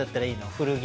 古着